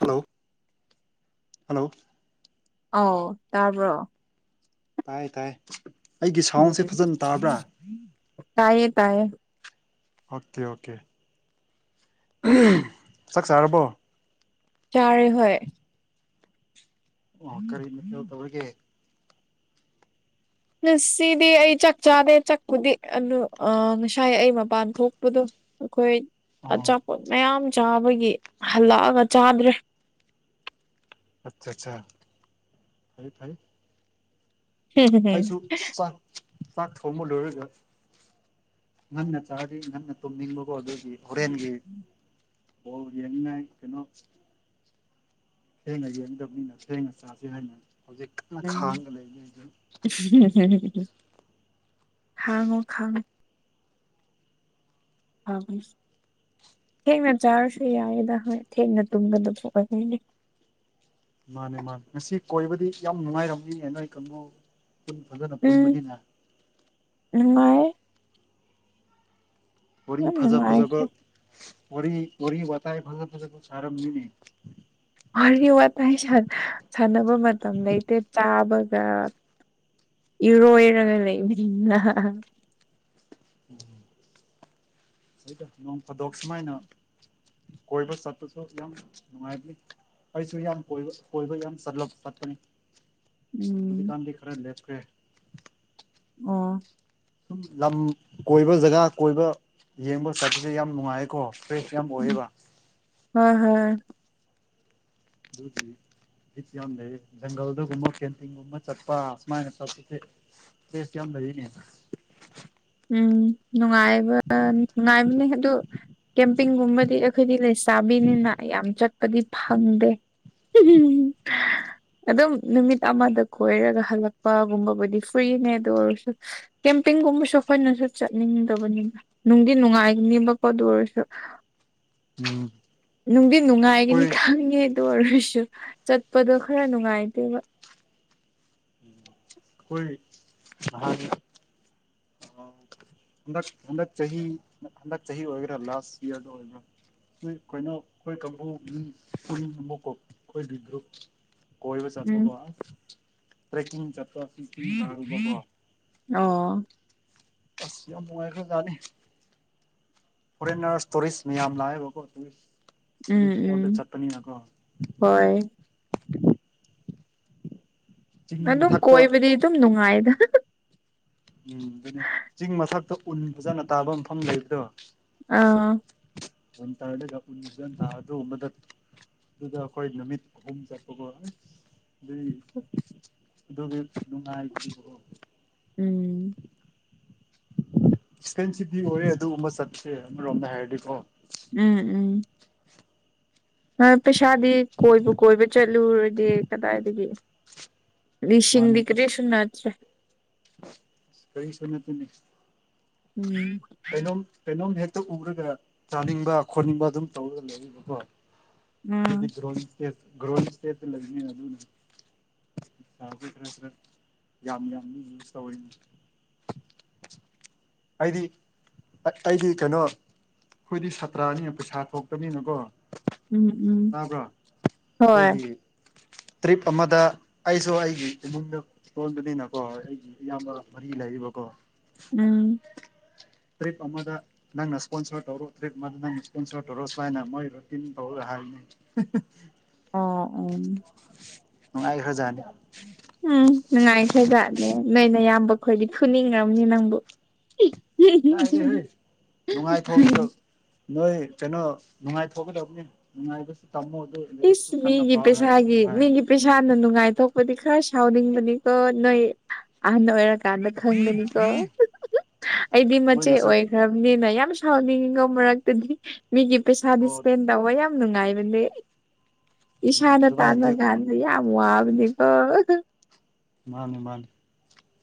hello hello ꯑꯥꯎ ꯇꯥꯔꯕꯣ ꯇꯥꯏ ꯇꯥꯏ ꯑꯩꯒꯤ ꯎꯝ ꯁꯥꯎꯟꯁꯦ ꯐꯖꯅ ꯇꯥꯕ꯭ꯔꯥ ꯇꯥꯏꯌꯦ ꯇꯥꯏꯌꯦ ꯑꯣꯀꯦ ꯑꯣꯀꯦ ꯆꯥꯛ ꯆꯥꯔꯕꯣ ꯇꯥꯔꯦ ꯍꯣꯏ ꯑꯣ ꯀꯔꯤꯅ ꯀ ꯇꯕꯔꯒꯦ ꯁꯤꯗꯤ ꯑꯩ ꯆꯥꯛ ꯆꯥꯗꯦ ꯆꯥꯛꯄꯨꯗꯤ ꯑꯗꯨ ꯑ ꯉꯁꯥꯏ ꯑꯩ ꯃꯄꯥꯟ ꯊꯣꯛꯄꯗꯣ ꯑꯩꯈꯣꯏ ꯑꯣ ꯑꯆꯥꯄꯣꯠ ꯃꯌꯥꯝ ꯆꯥꯕꯒꯤ ꯍꯜꯂꯛꯑꯒ ꯆꯥꯗ꯭ꯔꯦ ꯑꯆꯥ ꯑꯆꯥ ꯍꯥꯏ ꯐ ꯍꯝ ꯍꯝ ꯆꯥꯛ ꯊꯝꯕ ꯂꯔꯒ ꯅꯪ ꯆꯥꯔꯤ ꯅꯪ ꯇꯨꯝꯅꯤꯡꯕꯒꯣ ꯑꯗꯨ ꯍꯣꯔꯦꯟꯒꯤ ꯑꯣꯣ ꯌꯦꯡꯅꯥꯥꯏ ꯀꯩꯅꯣ ꯁꯦꯡꯉ ꯇꯅꯤ ꯁꯦꯡꯉ ꯆꯦ ꯍꯥꯏꯦꯡ ꯈꯥꯉꯣ ꯈꯥꯡꯉꯣ ꯍꯕꯨ ꯊꯦꯡꯅ ꯆꯥꯔꯁꯨ ꯌꯥꯏꯦꯗ ꯍꯣꯏ ꯊꯦꯡꯅ ꯇꯨꯝꯒꯗ ꯊꯣꯛꯑꯣꯏꯅꯦ ꯃꯥꯅꯦ ꯃꯥꯅꯦ ꯉꯁꯤ ꯀꯣꯏꯕꯗꯤ ꯌꯥꯝ ꯅꯨꯡꯉꯥꯏꯔꯝꯃꯤ ꯅꯣꯏ ꯀꯨ ꯄꯨꯟ ꯐꯖꯅ ꯄꯨꯟ ꯃꯔꯤꯅ ꯅꯨꯡꯉꯥꯏ ꯋꯥꯔꯤ ꯐꯖ ꯐꯖꯕ ꯅꯨꯡꯉꯥꯏꯈ꯭ꯔꯦ ꯋꯥꯔꯤ ꯋꯥꯔꯤꯔꯤ ꯋꯥꯇꯥꯏ ꯐꯉ ꯐꯖꯦ ꯁꯔꯃꯤꯅꯤ ꯋꯥꯔꯤ ꯋꯥꯇꯥꯏ ꯁꯥꯟꯅꯕ ꯃꯇꯝ ꯂꯩꯇꯦ ꯆꯥꯕꯒ ꯌꯔꯣ ꯏꯔꯒ ꯂꯩꯕ ꯎꯝ ꯍꯗꯣꯡ ꯐꯥꯗꯣꯛ ꯁꯨꯃꯥꯏꯅ ꯀꯣꯏ ꯐ ꯁꯠꯁꯨ ꯌꯥ ꯅꯨꯡꯉꯥꯏꯗ ꯑꯩꯁꯨ ꯌꯥꯝ ꯀꯣꯏꯕ ꯀꯣꯏꯕ ꯌꯥꯝ ꯆꯠꯂ ꯆꯠꯀꯅꯤ ꯎꯝ ꯍꯧꯖꯤꯛꯀꯥꯟꯗꯤ ꯈꯔ ꯂꯦꯞꯈ꯭ꯔꯦ ꯑꯣ ꯁꯨꯝ ꯂꯝ ꯀꯣꯏꯕ ꯖꯒꯥ ꯀꯣꯏꯕ ꯌꯦꯡꯕ ꯆꯠꯄꯁꯦ ꯌꯥꯝ ꯅꯨꯡꯉꯥꯏꯌꯦꯀꯣ ꯍ ꯍꯝ ꯇ ꯏ ꯖꯪꯜꯗꯨꯒꯨꯝꯕ ꯀꯦꯟꯇꯤꯒꯨꯝꯕ ꯆꯠꯄ ꯍꯥꯁꯃꯥ ꯄ ꯍꯥꯏꯅꯦ ꯎꯝ ꯅꯨꯡꯉꯥꯏꯕ ꯅꯨꯡꯉꯥꯏꯕꯅꯤ ꯍꯦꯛꯇꯣ ꯀꯦꯝꯄꯤꯡꯒꯨꯝꯕꯗꯤ ꯑꯩꯈꯣꯏꯗꯤ ꯂꯩꯁꯥꯕꯤꯅꯤꯅ ꯌꯥꯝ ꯆꯠꯄꯗꯤ ꯐꯪꯗꯦ ꯑꯣ ꯑꯗꯨꯝ ꯅꯨꯃꯤꯠ ꯑꯃꯗ ꯀꯣꯏꯔꯒ ꯍꯜꯂꯛꯄꯒꯨꯝꯕꯕꯨꯗꯤ ꯐ꯭ꯔꯤꯅꯦ ꯑꯗꯨ ꯑꯣꯏꯔꯁꯨ ꯀꯦꯝꯄꯤꯡꯒꯨꯝꯕꯁꯨ ꯑꯩꯈꯣꯏꯅꯁꯨ ꯆꯠꯅꯤꯡꯗꯕꯅꯤꯕ ꯅꯨꯡꯗꯤ ꯅꯨꯡꯉꯥꯏꯅꯦꯕꯀꯣ ꯑꯗꯨ ꯑꯣꯏꯔꯁꯨ ꯎꯝ ꯅꯨꯡꯗꯤ ꯑꯩꯈꯣꯏ ꯅꯨꯡꯉꯥꯏꯒꯅꯤ ꯈꯪꯉꯦ ꯑꯗꯨ ꯑꯣꯏꯔꯁꯨ ꯆꯠꯄꯗꯣ ꯈꯔ ꯅꯨꯡꯉꯥꯏꯇꯦꯕ ꯑꯩꯣꯏ ꯑ ꯍ ꯍ ꯆꯍꯤ ꯍ ꯆꯍꯤ ꯑꯣꯏꯒ ꯂꯥꯁ ꯏꯌꯔ ꯑꯣꯏꯒ ꯅꯣꯏ ꯑꯩꯈꯣꯏꯅꯣ ꯑꯩꯈꯣꯏ ꯀꯥꯡꯕꯨꯀꯣ ꯑꯩꯈꯣꯏꯒꯤ ꯭ꯔꯨꯞ ꯣꯏꯕꯨ ꯎꯝ ꯆꯠꯕ ꯇ꯭ꯔꯦꯛ ꯆꯄ ꯑꯣ ꯀꯁꯤ ꯌꯥꯝ ꯅꯨꯡꯉꯥꯏꯈꯖꯅꯤꯦ ꯐꯣꯔꯔꯁ ꯇꯧꯔꯤꯁ ꯃꯤ ꯌꯥꯝꯝ ꯂꯑꯕ ꯀꯣ ꯎꯝ ꯎꯝ ꯍꯣꯏ ꯆꯤꯡ ꯑꯗꯨꯝ ꯃꯊꯛꯇ ꯀꯣꯏꯕꯗꯤ ꯑꯗꯨꯝ ꯅꯨꯡꯉꯥꯏꯗ ꯎꯝ ꯑꯗꯨꯅꯦ ꯆꯤꯡ ꯃꯊꯛꯇ ꯎꯟ ꯐꯖꯅ ꯇꯥꯕ ꯃꯐꯝ ꯂꯩꯕꯗꯣ ꯑꯥ ꯑꯣꯟ ꯇꯔꯗꯗ ꯑꯣꯗ ꯍꯠꯇ ꯑꯗꯨꯗꯈꯣꯏ ꯂꯝꯃꯤ ꯍꯣꯨꯝ ꯆꯠꯄꯕ ꯑꯗꯨ ꯅꯨꯡꯉꯥꯏꯣ ꯎꯝ ꯑꯦꯛꯄꯦꯟꯁꯤꯚꯇꯤ ꯑꯣꯏꯔꯦ ꯑꯗꯨꯒꯨꯝꯕ ꯆꯠꯁꯦ ꯑꯃꯔꯣꯝꯗ ꯍꯥꯏꯔꯗꯤꯀꯣ ꯎꯝ ꯎꯝ ꯄꯩꯁꯥꯗꯤ ꯀꯣꯏꯕ ꯀꯣꯏꯕ ꯆꯠꯂꯨꯔꯗꯤꯦ ꯀꯗꯥꯏꯗꯒꯤ ꯁꯤꯡꯤꯡꯗꯤ ꯀꯔꯤꯁꯨꯅꯆ꯭ꯔꯦ ꯀꯩ ꯁꯅꯠꯇꯅꯤ ꯎꯝ ꯀꯩꯅꯣꯝ ꯀꯩꯅꯣꯝ ꯍꯦꯛꯇ ꯎꯔꯒ ꯆꯥꯅꯤꯡꯕ ꯈꯣꯠꯅꯤꯡꯕ ꯑꯗꯨꯝ ꯇꯧꯔꯒ ꯂꯩꯔꯤꯕꯀꯣ ꯎꯝ ꯣꯇ꯭ꯔꯣ ꯁꯇꯦ ꯂꯅꯤ ꯑꯗꯨꯅ ꯭ꯔꯦ ꯌꯥꯝ ꯌꯥꯝꯃꯤ ꯌꯨꯁ ꯇꯧꯔꯤꯅꯤ ꯑꯩꯗꯤ ꯑꯩꯗꯤ ꯀꯩꯅꯣ ꯑꯩꯈꯣꯏꯗꯤ ꯁꯥꯇ꯭ꯔꯅꯤꯅ ꯄꯩꯁꯥ ꯊꯣꯛꯇꯅꯤꯅꯀꯣ ꯎꯝ ꯎꯝ ꯍꯣꯏ ꯑꯩꯈꯣꯏꯒꯤ ꯇ꯭ꯔꯤꯞ ꯑꯃꯗ ꯑꯩꯁꯨ ꯑꯩꯒꯤ ꯏꯃꯨꯡꯗ ꯆꯣꯟꯕꯅꯤꯅꯀꯣ ꯑꯩꯒꯤ ꯏꯌꯥꯝꯕ ꯃ ꯂꯕ ꯀꯣ ꯎꯝ ꯇ꯭ꯔꯤꯞ ꯑꯃꯗ ꯅꯪꯅ ꯏꯁꯄꯣꯟꯁꯔ ꯇꯧꯔꯣ ꯇ꯭ꯔꯤꯞ ꯑꯃꯗ ꯅꯪ ꯏꯁꯄꯣꯟꯁꯔ ꯇꯧꯔꯣ ꯁ꯭ꯃꯥꯏꯅ ꯃꯣꯏ ꯔꯨꯇꯤꯟ ꯇ ꯍꯥꯏ ꯑꯥ ꯑ ꯍꯧꯖꯦ ꯎꯝ ꯅꯨꯡꯉꯥꯏꯈ꯭ꯔꯦꯖꯥꯠꯅꯦ ꯅꯣꯏꯅ ꯏꯌꯥꯝꯕ ꯈꯈꯣꯏꯗꯤ ꯐꯨꯅꯤꯡꯈ꯭ꯔꯕꯅꯤ ꯅꯪꯕꯨ ꯀꯥꯏꯔꯦ ꯍꯣꯏ ꯅꯨꯡꯉꯥꯏꯐꯥꯎꯁꯨ ꯅꯣꯏ ꯀꯩꯅꯣ ꯅꯨꯡꯉꯥꯏꯊꯣꯛꯒꯗꯕꯅꯦ ꯅꯨꯡꯉꯥꯏꯕꯁꯨ ꯇꯝꯃꯣ ꯑꯗꯨ ꯂꯥꯏꯔꯤꯛꯁꯨ ꯏꯁ ꯀꯟꯅ ꯃꯤꯒꯤ ꯄꯥꯎ ꯍꯥꯏꯅ ꯑꯗꯨꯝ ꯄꯩꯁꯥꯒꯤ ꯍꯥꯏꯔꯅꯤ ꯃꯤꯒꯤ ꯄꯩꯁꯥꯅ ꯅꯨꯡꯉꯥꯏꯊꯣꯛ ꯄ ꯈꯥ ꯁꯥꯎꯗꯤ ꯃ ꯀꯣ ꯅꯣꯏ ꯑꯍ ꯅ ꯑꯦꯔ ꯀꯥꯟꯗ ꯈꯪꯕꯅꯤꯀꯣ ꯑꯩꯗꯤ ꯃꯆꯦ ꯃꯣꯏꯅꯁꯨ ꯑꯣꯏꯈ꯭ꯔꯕꯅꯤꯅ ꯌꯥꯝ ꯁꯥꯎꯅꯤꯡꯉꯤꯉ ꯃꯔꯛꯇꯗꯤ ꯃꯤꯒꯤ ꯄꯩꯁꯥꯗꯤ ꯑꯣ ꯏꯁꯄꯦꯟ ꯇꯧꯕ ꯌꯥꯝ ꯅꯨꯡꯉꯥꯏꯕꯅꯦ ꯏꯁꯥꯅ ꯑꯗꯨꯃꯥꯏꯅꯗꯤ ꯇꯥꯥꯟꯃꯥꯟꯗ ꯌꯥꯝꯃꯨꯕꯅꯤꯕ ꯃꯥꯅꯤ ꯃꯥꯅꯤ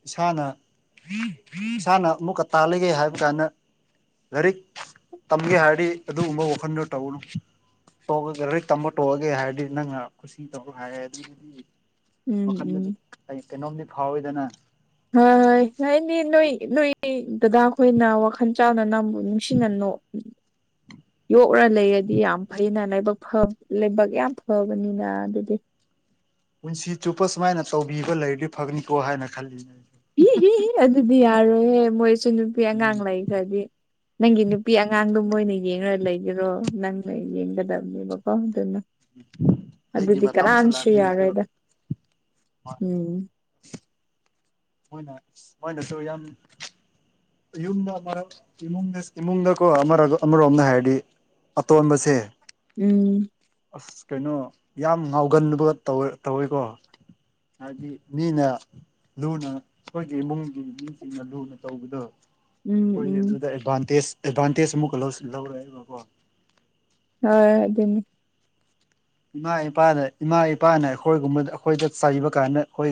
ꯏꯁꯥꯅ ꯏꯁꯥꯅ ꯑꯃꯨꯛꯀ ꯇꯥꯜꯂꯤꯒꯦ ꯍꯥꯏꯕ ꯀꯥꯏꯅ ꯂꯥꯏꯔꯤꯛ ꯇꯝꯒꯦ ꯍꯥꯏꯔꯗꯤ ꯑꯗꯨꯒꯨꯝꯕ ꯋꯥꯈꯜꯗꯣ ꯇꯧꯧꯕꯅꯨ ꯇꯣꯛꯑꯒ ꯂꯦꯛ ꯇꯝꯕ ꯇꯣꯛꯑꯒꯦ ꯍꯥꯏꯔꯗꯤ ꯅꯪꯅ ꯈꯨꯁꯤ ꯇꯧꯔ ꯍꯥꯏꯔꯦ ꯑꯗꯨꯒꯤꯗꯤ ꯎꯝ ꯎꯝ ꯑꯩ ꯀꯩꯅꯣꯝꯗꯤ ꯐꯥꯎꯋꯤꯗꯅ ꯍꯣꯏ ꯍꯣꯏ ꯍꯥꯏꯅꯤ ꯅꯣꯏ ꯅꯣꯏ ꯗꯗꯥ ꯈꯣꯏꯅ ꯋꯥꯈꯜ ꯆꯥꯅ ꯅꯝ ꯅꯨꯡꯁꯤꯅꯅꯣ [inaudible] ꯌꯣꯛꯔ ꯂꯩꯔꯗꯤ ꯌꯥꯝ ꯐꯅ ꯂꯥꯏꯕꯛ ꯂꯥꯏꯕꯛ ꯌꯥꯝ ꯐꯕꯅꯤꯅ ꯑꯗꯨꯗꯤ ꯄꯨꯟꯁꯤ ꯆꯨꯞꯄ ꯁꯨꯃꯥꯏꯅ ꯇꯧꯕꯤꯕ ꯂꯩꯔꯗꯤ ꯐꯒꯅꯤꯀꯣ ꯍꯥꯏꯅ ꯈꯜꯂꯤꯅꯦ ꯏ ꯍ ꯍ ꯑꯗꯨꯗꯤ ꯌꯥꯔꯣ ꯍꯦ ꯃꯣꯏ ꯁ ꯅꯨꯄꯤ ꯎꯝ ꯑꯉꯥꯡ ꯂꯩꯈ꯭ꯔꯗꯤ ꯅꯪꯒꯤ ꯅꯨꯄꯤ ꯎꯝ ꯑꯉꯥꯡꯗꯨ ꯃꯅ ꯌꯦꯡꯉ ꯂꯩꯒꯔꯣ ꯅꯪꯅ ꯌꯦꯡꯒꯗꯕꯅꯦꯕꯀꯣ ꯑꯗꯨꯅ ꯑꯩꯒꯤ ꯑꯗꯨꯗꯤ ꯃꯇꯝꯁꯨ ꯀꯅꯥꯁꯨ ꯂꯥꯛꯀꯅꯤ ꯑꯗꯨꯒ ꯌꯥꯔꯣꯏꯗ ꯎꯝ ꯍꯣꯏꯅ ꯃꯣꯏꯅꯁꯨ ꯌꯥꯝ ꯌꯨꯝꯗꯃꯨꯡꯗ ꯀꯣ ꯑꯃ ꯑꯃꯔꯣꯝꯗ ꯍꯥꯏꯔꯗꯤ ꯑꯇꯣꯟꯕꯁꯦ ꯎꯝ ꯑꯁ ꯀꯩꯅꯣ ꯌꯥꯝ ꯉꯥꯎꯒꯟꯕ ꯇꯧ ꯇꯧꯋꯦꯀꯣ ꯍꯥꯏꯗꯤ ꯃꯤꯅ ꯂꯨꯅ ꯑꯩꯈꯣꯏꯒꯤ ꯏꯃꯨꯡꯒꯤ ꯃꯤꯁꯤꯡꯅ ꯂꯨꯅ ꯇꯧꯕꯗꯣ ꯎꯝ ꯍꯣꯏ ꯎꯝ ꯑꯗꯨꯗ ꯑꯦꯗꯚꯥꯟꯇꯦꯖ ꯑꯦꯗꯚꯥꯟꯇꯦꯖ ꯑꯃꯨꯛꯀ ꯂꯧꯔꯑꯦꯕꯀꯣ ꯍꯣꯏ ꯑꯗꯨ ꯑꯗꯨꯅꯤ ꯏꯃꯥ ꯏꯄꯥꯅ ꯏꯃꯥ ꯏꯄꯥꯅ ꯑꯩꯈꯣꯏꯒꯨꯝꯕꯗ ꯑꯩꯈꯣꯏꯗ ꯆꯩꯕ ꯀꯥꯟꯗ ꯑꯩꯈꯣꯏ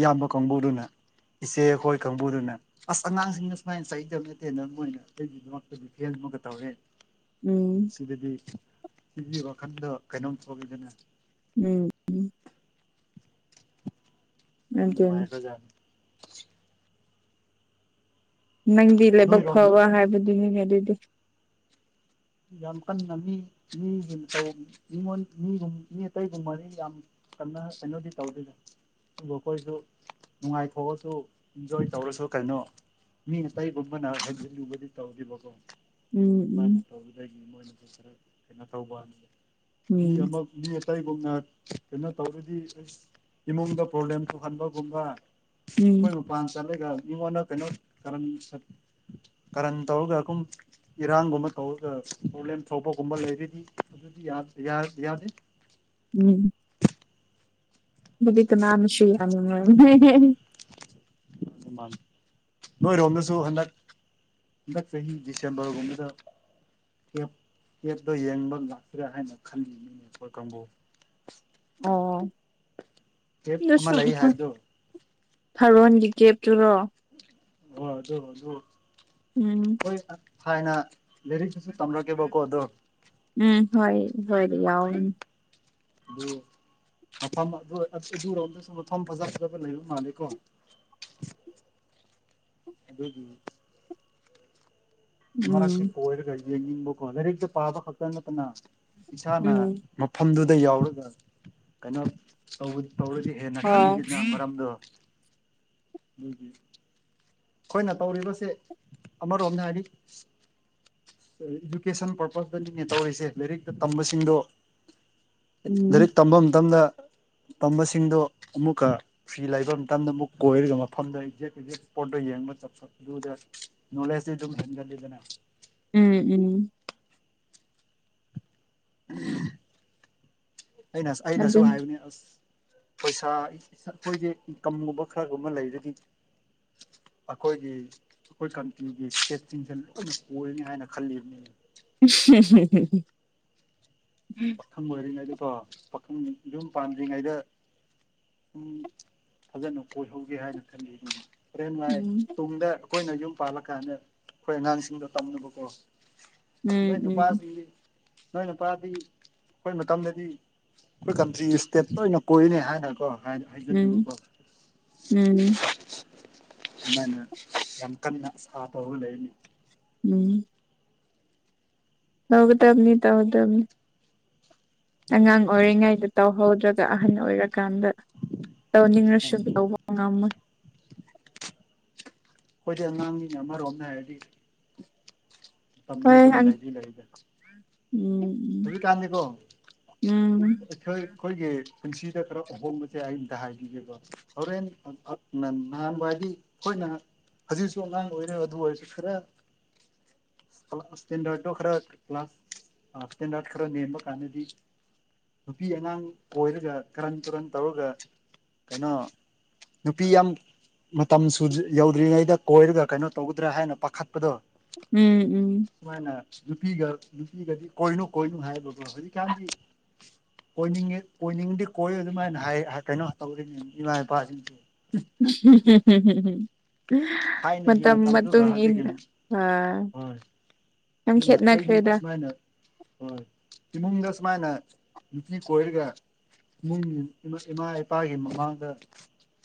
ꯏꯌꯥꯝꯕ ꯀꯥꯡꯕꯨꯗꯨꯅꯦ ꯏꯆꯦꯈꯣꯏ ꯀꯥꯡꯕꯨꯗꯨꯅ ꯑꯁ ꯑꯉꯥꯡꯁꯤꯡꯅ ꯁꯨꯃꯥꯏꯅ ꯆꯥꯗꯕ ꯅꯠꯇꯦ ꯅꯣꯏꯅ ꯑꯩꯒꯤꯗꯃꯛꯇꯗꯤ ꯑꯃꯒ ꯇꯧꯔꯦ ꯎꯝ ꯁꯤ ꯁꯤ ꯋꯥꯈꯗ ꯀꯩꯅꯣꯡ ꯊꯒꯗꯅ ꯎꯝ ꯎꯝ ꯎꯝ ꯑꯗꯨꯅꯤ ꯋꯥꯏꯔꯖ ꯅꯪꯗꯤ ꯂꯥꯏꯕꯛ ꯅꯣꯏꯔꯣꯝ ꯐꯕ ꯍꯥꯏꯕꯗꯨꯅꯤꯅꯦ ꯑꯗꯨꯗꯤ ꯌꯥꯝ ꯀꯟꯅ ꯃꯤꯉꯣꯟ ꯃꯤꯒꯨꯝ ꯃꯤ ꯑꯇꯩꯒꯨꯝ ꯃꯅꯤ ꯌꯥꯝ ꯀꯅ ꯑꯦꯩꯅꯣꯗꯤ ꯇꯧꯗꯗ ꯑꯗꯨ ꯑꯩꯈꯣꯏꯁꯨ ꯅꯨꯡꯉꯥꯏꯊꯣꯛꯑꯁꯨ ꯏꯟꯖꯣꯏ ꯇꯧꯔꯁꯨ ꯀꯩꯅꯣ ꯃꯤ ꯑꯝꯕꯅꯥ ꯎꯕꯗꯤ ꯇꯧꯗꯤꯒꯣ ꯎꯝ ꯎꯝ ꯑꯩꯒꯤ ꯃꯣꯏꯅꯁꯨ ꯈꯔ ꯀꯩꯅꯣ ꯇꯧꯕ ꯃꯤ ꯎꯝ ꯑꯃ ꯑꯇꯩꯒꯨꯝꯅ ꯀꯩꯅꯣ ꯇꯧꯔꯗꯤ ꯑꯩ ꯏꯃꯨꯡꯗ ꯄ꯭ꯔꯣꯕ꯭ꯂꯦꯝ ꯊꯣꯛꯧꯍꯟꯕꯒꯨꯝꯕ ꯎꯝ ꯑꯩꯈꯣꯏ ꯃꯄꯥꯟ ꯆꯠꯂꯒ ꯃꯤꯉꯣꯟꯗ ꯀꯩꯅꯣ ꯀ ꯀꯔꯟ ꯇꯧꯔꯒꯀꯨꯝ ꯏꯔꯥꯡꯒꯨꯝꯕ ꯄ꯭ꯔꯣꯕ꯭ꯂꯦꯝ ꯇꯧꯕꯒꯨꯝꯕ ꯂꯩꯔꯗꯤ ꯑꯗꯨꯗꯤ ꯌꯥꯗꯦ ꯃ ꯀꯅꯥꯝ ꯁꯤꯌꯥꯅꯤ ꯃ ꯃꯥ ꯅꯣꯏꯔꯣꯝꯗꯁꯨ ꯍꯟꯗꯛ ꯆꯍꯤ ꯆꯍꯤ ꯗꯤꯁꯦꯝꯕꯔꯒꯨꯝꯕꯗ ꯑꯦꯞ ꯑꯦꯞꯇꯣ ꯌꯦꯡꯕ ꯂꯥꯛꯇ꯭ꯔꯦ ꯍꯥꯏꯅ ꯈꯜꯂꯤ ꯃꯤ ꯑꯩꯈꯣꯏ ꯀꯥꯡꯕꯨ ꯑꯣ ꯀꯦꯞ ꯑꯃ ꯂꯩ ꯍꯥꯏꯕꯗꯣ ꯐꯥꯔꯣꯟꯒꯤ ꯀꯦꯞꯇꯨꯔꯣ ꯑꯣ ꯍꯧ ꯍꯧ ꯎꯝ ꯍꯥꯏꯅ ꯂꯩꯦꯔꯤꯁꯤꯁꯨ ꯇꯝꯂꯛꯒꯦꯕꯀꯣ ꯑꯗꯣ ꯎꯝ ꯍꯣꯏ ꯍꯣꯏꯗꯤ ꯌꯥꯎ ꯑꯗꯨ ꯨꯔꯣ ꯑꯝꯗ ꯁꯨꯝꯝ ꯐꯖ꯭ꯔꯕ ꯂꯩꯕ ꯃꯥꯜꯂꯦꯀꯣ ꯑꯗꯨ ꯎ ꯔ ꯎꯝ ꯀꯔꯒꯣꯖꯔꯛꯇ ꯄꯥꯕ ꯈꯛꯇꯪ ꯅꯠꯇꯅ ꯏꯁꯥꯅ ꯎꯝ ꯃꯐꯝꯗꯨꯗ ꯌꯥꯎꯔꯒ ꯀꯩꯅꯣ ꯇꯧꯕ ꯧꯗꯤꯦꯟꯅ ꯍꯣꯏ ꯈꯟꯗꯅ ꯃꯔꯔꯝꯗ ꯑꯩꯈꯣꯏꯅ ꯇꯧꯔꯤꯕꯁꯦ ꯑꯃꯔꯣꯝꯗ ꯍꯥꯏꯔꯤ ꯏꯗꯨꯀꯦꯁꯟ ꯄꯔꯄꯁꯇꯅꯤꯉ ꯇꯧꯔꯤꯁꯦ ꯂꯥꯏꯔꯤꯛꯇ ꯇꯝꯕꯁꯤꯡꯗꯣ ꯎꯝ ꯂꯥꯏꯔꯤꯛ ꯇꯝꯕ ꯃꯇꯝꯗ ꯇꯝꯕꯁꯤꯡꯗꯣ ꯑꯃꯨꯛꯀ ꯐꯤ ꯂꯩꯕ ꯃꯇꯝꯗ ꯑꯃꯨꯛ ꯀꯣꯏꯔꯒ ꯃꯐꯝꯗ ꯑꯦꯛꯖꯦꯛ ꯑꯦꯛꯖꯦꯛ ꯄꯣꯠꯇꯣ ꯌꯦꯡꯕ ꯆꯠꯄ ꯑꯗꯨꯗ ꯅꯣꯂꯦꯖꯇꯤ ꯑꯗꯨꯝ ꯍꯦꯟꯒꯜꯂꯤꯗꯅ ꯎꯝ ꯎꯝ ꯑꯩꯅ ꯑꯩꯅꯁꯨ ꯑꯗꯨꯅꯤ ꯍꯥꯏꯌꯨꯅꯦ ꯑꯁ ꯄꯩꯁꯥ ꯑꯩꯈꯣꯏꯁꯦ ꯏꯟꯀꯝꯒꯨꯝꯕ ꯈꯔꯒꯨꯝꯕ ꯂꯩꯔꯗꯤ ꯑꯩꯈꯣꯏꯒꯤ ꯑꯩꯈꯣꯏ ꯀꯝꯄꯅꯤꯒꯤ ꯁꯦꯞꯁꯤꯡꯁꯦ ꯂꯣꯏꯅ ꯑꯣꯏꯅꯤ ꯍꯥꯏꯅ ꯈꯜꯂꯤꯕꯅꯤ ꯝ ꯄꯥꯈꯪ ꯑꯣꯏꯔꯤꯉꯩꯗꯀꯣ ꯄꯥꯈꯪ ꯌꯨꯝ ꯄꯥꯟꯗ꯭ꯔꯤꯉꯩꯗ ꯎꯝ ꯐꯖꯅ ꯀꯣꯏꯍꯧꯒꯦ ꯍꯥꯏꯅ ꯈꯜꯂꯤ ꯑꯗꯨ ꯐꯔꯦꯟ ꯅꯨꯡꯉꯥꯏ ꯎꯝ ꯇꯨꯡꯗ ꯑꯩꯈꯣꯏꯅ ꯌꯨꯝ ꯄꯥꯜꯂꯀꯥꯟꯗ ꯑꯩꯈꯣꯏ ꯑꯉꯥꯡꯁꯤꯡꯗꯣ ꯇꯝꯅꯕꯀꯣ ꯅꯣꯏ ꯎꯝ ꯎꯝ ꯅꯨꯄꯥꯗ ꯅꯣꯏꯅꯄꯥꯗꯤ ꯑꯩꯈꯣꯏ ꯃꯇꯝꯗꯗꯤ ꯑꯩꯈꯣꯏ ꯀꯟꯇ꯭ꯔꯤ ꯏꯁꯇꯦꯠ ꯑꯣꯏꯅ ꯀꯣꯏꯔꯤꯅꯦ ꯍꯥꯏꯅꯀꯣ ꯍꯥꯏꯖꯠ ꯅꯃꯜ ꯎꯝ ꯋꯥ ꯎꯝ ꯑꯅ ꯌꯥꯝꯀꯅ ꯑ ꯇꯂꯅꯤ ꯎꯝ ꯍꯧꯒꯗꯕꯅꯤ ꯇꯒꯗꯕꯅꯤ ꯑꯉꯥꯡ ꯑꯣꯏꯔꯤꯉꯩꯗ ꯇꯧꯍꯧꯗ꯭ꯔꯒ ꯑꯍꯟ ꯑꯣꯏꯔꯀꯥꯟꯗ ꯇ ꯅꯤꯡꯅꯁꯨ ꯇꯧꯕ ꯉꯝꯃꯣꯏ ꯑꯩꯣꯏꯗꯤ ꯑꯉꯥꯡꯒꯤ ꯑꯃꯔꯣꯝꯗ ꯍꯥꯏꯔꯗꯤ ꯃꯇꯝꯗꯤ ꯍꯣꯏ ꯑꯗꯨꯝ ꯂꯩꯗꯤ ꯂꯩꯗ ꯎꯝ ꯍꯧꯖꯤꯛꯀꯥꯟꯗꯤꯀꯣ ꯎꯝ ꯈꯈꯣꯏꯒꯤ ꯄꯨꯟꯁꯤꯗ ꯈꯔ ꯑꯍꯣꯡꯕꯁꯦ ꯑꯩꯝꯗ ꯍꯥꯏꯕꯤꯒꯦꯀꯣ ꯍꯣꯔꯦꯟ ꯅꯍꯥꯟꯕ ꯍꯥꯏꯗꯤ ꯍꯣꯏ ꯅꯍ ꯍꯧꯖꯤꯛꯁꯨ ꯑꯉꯥꯡ ꯑꯣꯏꯔꯣ ꯑꯗꯨ ꯑꯣꯏꯔꯁꯨ ꯐꯔꯦ ꯀ ꯀ꯭ꯂ ꯁꯦꯟꯔ ꯇ ꯈꯔ ꯀ ꯀ꯭ꯂꯥꯁ ꯑ ꯇ ꯅꯠꯇ ꯈꯔꯣ ꯅꯅꯤꯃꯀꯥꯟꯅꯦꯗꯤ ꯅꯨꯄꯤ ꯑꯉꯥꯡ ꯀꯣꯏꯔꯒ ꯀꯔꯟ ꯀꯔꯟ ꯇꯧꯔꯒ ꯀꯩꯅꯣ ꯅꯨꯄꯤ ꯌꯥꯝ ꯃꯇꯝ ꯁꯨ ꯌꯧꯗ꯭ꯔꯤꯉꯩꯗ ꯀꯣꯏꯔꯒ ꯀꯩꯅꯣ ꯇꯧꯒꯗ꯭ꯔꯥ ꯍꯥꯏꯅ ꯄꯥꯈꯠꯄꯗꯣ ꯎꯝ ꯎꯝ ꯁꯨꯃꯥꯏꯅ ꯅꯨꯄꯤꯒ ꯅꯨꯄꯤꯒꯗꯤ ꯀꯣꯏꯅꯨ ꯀꯣꯏꯅꯨ ꯍꯥꯏ ꯂꯕ ꯍꯧꯖꯤꯗꯤ ꯀꯥꯟ ꯑꯣꯏꯅꯤꯡꯉꯤ ꯑꯣꯏꯣꯏꯅꯤꯡꯗꯤ ꯀꯣꯏ ꯑꯗꯨꯃꯥꯏꯅ ꯍꯥꯏ ꯀꯩꯅꯣ ꯇꯧꯔꯤꯅꯤ ꯏꯃꯥ ꯏꯄꯥꯁꯤꯡꯁ ꯍ ꯍ ꯃ ꯊꯥꯏꯅꯒꯤ ꯃ ꯃꯇꯝꯗꯨꯒ ꯏꯟ ꯍꯧꯖꯤꯛꯀꯤ ꯍꯥ ꯍꯣꯏ ꯑꯗꯨꯅ ꯑꯩꯗꯤ ꯁꯨꯃꯥꯏꯅ ꯍꯣꯏ ꯏꯃꯨꯡꯗ ꯃꯅ ꯏꯅꯤ ꯀꯣꯏꯒ ꯏꯃꯨꯡꯒꯤ ꯏꯃꯥ ꯏꯄꯥꯒꯤ ꯃꯃꯥꯡꯗ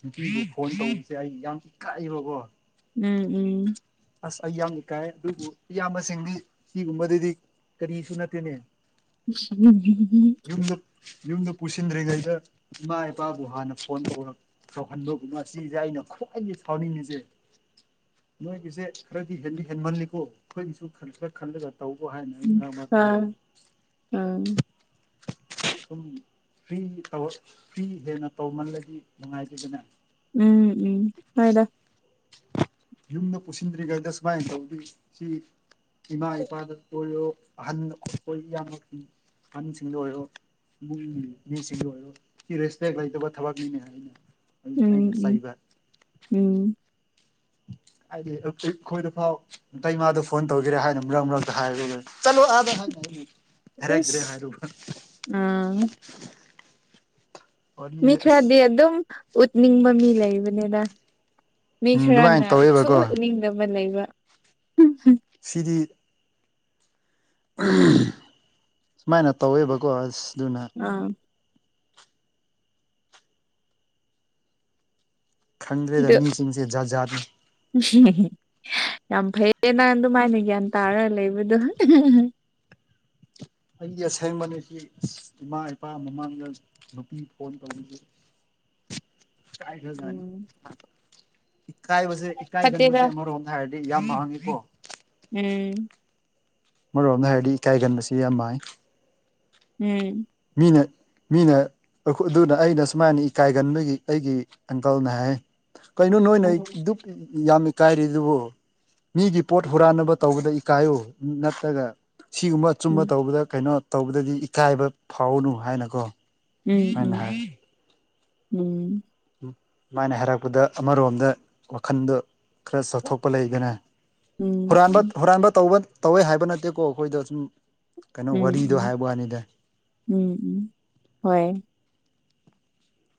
ꯅꯨꯡꯇ ꯐꯣꯟ ꯇꯧꯁꯦ ꯑꯩ ꯌꯥꯝ ꯀꯤꯛ ꯀꯥꯏꯏꯕꯕꯣ ꯎꯝ ꯎꯝ ꯑꯁ ꯑꯩ ꯌꯥꯝꯅ ꯀꯥꯏ ꯑꯗꯨꯕꯨ ꯏꯌꯥꯝꯕꯁꯤꯡꯗꯤ ꯁꯤꯒꯨꯝꯕꯗꯗꯤ ꯀꯔꯤꯁꯨ ꯅꯠꯇꯦꯅꯦ ꯎ ꯎꯝ ꯌꯨꯝ ꯌꯨꯝꯗ ꯄꯨꯁꯤꯟꯗ꯭ꯔꯤꯉꯩꯗ ꯏꯃꯥ ꯏꯄꯥꯕꯨ ꯍꯥꯟꯅ ꯐꯣꯟ ꯇꯧꯔ ꯇꯧꯍꯟꯕꯕꯨ ꯉꯁꯤꯁꯦ ꯑꯩꯅ ꯁꯋꯥꯥꯏ ꯐꯥꯎꯅꯤꯅꯤꯖꯦ ꯅꯣꯏꯒꯤꯁꯦ ꯈꯔꯗꯤ ꯍꯦꯟꯗꯤ ꯍꯦꯟꯃꯜꯂꯤꯀꯣ ꯑꯩꯈꯣꯏꯒꯤꯁꯨ ꯈꯔ ꯈꯟꯕꯖꯠ ꯇꯧꯕ ꯍꯥꯏꯅ ꯑꯩ ꯃꯔꯝ ꯃꯔꯛꯇ ꯑ ꯍꯥꯏꯔꯝꯃꯤ ꯎꯝ ꯁꯨꯝ ꯐ꯭ꯔꯤ ꯐ꯭ꯔꯤ ꯍꯦꯟꯅ ꯇꯧꯃꯜꯂꯗꯤ ꯅꯨꯡꯉꯥꯏꯖꯗꯅꯦ ꯎꯝ ꯎꯝ ꯍꯣꯏꯗ ꯌꯨꯝꯗ ꯄꯨꯁꯤꯟꯗ꯭ꯔꯤꯉꯩꯗ ꯁꯨꯃꯥꯏꯅ ꯇꯧꯗꯤ ꯁꯤ ꯏꯃꯥ ꯏꯄꯥꯗ ꯀꯣꯏꯔꯣ ꯑꯍꯟ ꯑꯣꯏꯣꯏ ꯏꯅ ꯑꯍꯟꯁꯤꯡꯗ ꯑꯣꯏꯔꯣ ꯎ ꯃꯤ ꯁꯤꯒꯣ ꯔꯦꯁꯄꯦꯦꯛ ꯂꯩ ꯊꯕ ꯃꯤꯅꯦ ꯍꯥꯏ ꯎꯝ ꯎꯝ ꯎꯝ ꯎ ꯍꯥꯏꯗꯤ ꯑꯩꯈꯣꯏꯗ ꯐꯥꯎ ꯑ ꯏ ꯃꯥꯗ ꯐꯣꯟ ꯇꯧꯒꯦꯔꯦ ꯍꯥꯏꯅ ꯃꯔꯛ ꯃꯔꯛꯇ ꯍꯥꯏꯔꯠꯂ ꯑꯥ ꯍꯥꯏ ꯏꯁ ꯍꯔ ꯭ꯔꯦ ꯍꯥꯏꯕꯔ ꯑꯥ ꯃꯤ ꯈꯔꯗꯤ ꯑꯗꯨꯝ ꯎꯠꯅꯤꯡꯕ ꯃꯤ ꯂꯩꯕꯅꯤꯗ ꯃꯤ ꯎꯝ ꯑꯗꯨꯃꯥꯏꯅ ꯈꯔꯅ ꯇꯧꯋꯦꯕꯀꯣ ꯁꯣꯛꯠꯅꯤꯡꯗꯕ ꯂꯩꯕ ꯁꯤꯔꯤ ꯁꯨꯃꯥꯏꯅ ꯇꯧꯋꯦꯕꯀꯣ ꯑꯁ ꯑꯗꯨꯅ ꯑꯥ ꯈꯪꯗ꯭ꯔꯦꯗ ꯃꯤꯁꯤꯡꯁꯦ ꯖꯥꯠ ꯖꯥꯠꯅꯤ ꯎꯝ ꯌꯥꯝ ꯐꯩꯌꯦ ꯅꯪ ꯑꯗꯨꯃꯥꯏꯅ ꯒ꯭ꯌꯥꯟ ꯇꯥꯔꯒ ꯂꯩꯕꯗꯣ ꯑꯩꯒꯤ ꯑꯁꯦꯡꯕꯅꯤꯁꯤ ꯏꯃꯥ ꯏꯄꯥ ꯃꯃꯥꯡꯗ ꯅꯨꯄꯤ ꯐꯣꯟꯕꯅꯤꯁꯦ [inaudible] ꯎꯝ ꯏꯀꯥꯏꯕꯁꯦ ꯐꯠꯇꯦꯗ ꯏꯀꯥꯏꯒꯟꯕꯁꯦ ꯑꯃꯔꯣꯝꯗ ꯍꯥꯏꯔꯗꯤ ꯌꯥꯝ ꯍꯥꯡꯉꯤꯀꯣ ꯎꯝ ꯑꯃꯣꯝꯗ ꯍꯥꯏꯔꯗꯤ ꯏꯀꯥꯏꯒꯟꯕꯁꯤ ꯌꯥꯝ ꯃꯥꯏ ꯎꯝ ꯃꯤꯅ ꯃꯤꯅ ꯑꯗꯨꯅ ꯑꯩꯅ ꯁꯨꯃꯥꯏꯅ ꯏꯀꯥꯏꯒꯟꯕꯒꯤ ꯑꯩꯒꯤ ꯑꯪꯀꯜꯅ ꯍꯥꯏ ꯀꯩꯅꯣ ꯅꯣꯏ ꯅ ꯎꯝ ꯗꯨ ꯌꯥꯝ ꯏꯀꯥꯏꯔꯤ ꯑꯗꯨꯕꯨ ꯃꯤꯒꯤ ꯄꯣꯠ ꯍꯨꯔꯥꯟꯅꯕ ꯇꯧꯕꯗ ꯏꯀꯥꯏꯌꯨ ꯅꯠꯇ꯭ꯔꯒ ꯁꯤꯒꯨꯝꯕ ꯑꯆꯨꯝꯕ ꯇꯧꯕꯗ ꯀꯩꯅꯣ ꯇꯧꯕꯗꯗꯤ ꯏꯀꯥꯏꯕ ꯐꯥꯎꯅꯨ ꯍꯥꯏꯅꯀꯣ ꯍ ꯎꯝ ꯎꯝ ꯃꯥꯥꯏꯅ ꯍꯥꯏꯔꯛꯄꯗ ꯑꯃꯔꯣꯝꯗ ꯋꯥꯈꯜꯗꯣ ꯈꯔ ꯆꯠꯊꯣꯛꯄ ꯂꯩꯗꯅ ꯎꯝ ꯎꯝ ꯎꯝ ꯍꯨꯔꯥꯟꯕ ꯍꯨꯔꯥꯟꯕ ꯇꯧꯕ ꯇꯧꯋꯦ ꯍꯥꯏꯕ ꯅꯠꯇꯦꯀꯣ ꯑꯩꯈꯣꯏꯗ ꯁꯨꯝ ꯀꯩꯅꯣ ꯎꯝ ꯋꯥꯔꯤꯗꯣ ꯎꯝ ꯍꯥꯏꯕ ꯋꯥꯅꯤꯗ ꯎꯝ ꯍꯣꯏ